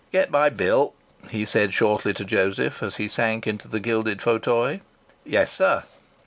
"Get my bill," he said shortly to Joseph as he sank into the gilded fauteuil. "Yes, sir."